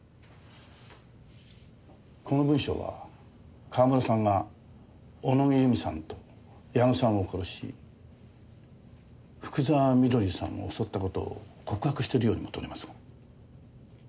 この文章は川村さんが小野木由美さんと矢野さんを殺し福沢美登里さんを襲った事を告白してるようにも取れますが。